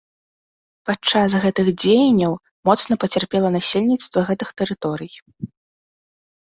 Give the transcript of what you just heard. Падчас гэтых дзеянняў моцна пацярпела насельніцтва гэтых тэрыторый.